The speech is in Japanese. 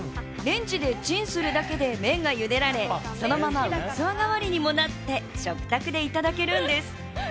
レンジでチンするだけで麺が茹でられそのまま器代わりにもなって食卓でいただけるんです。